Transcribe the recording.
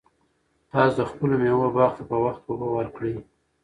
تاسو د خپلو مېوو باغ ته په وخت اوبه ورکړئ.